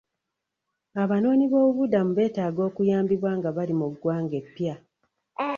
Abanoonyiboobubuddamu beetaaga okuyambibwa nga bali mu ggwanga eppya.